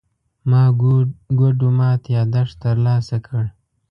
ما ګوډو مات يادښت ترلاسه کړ.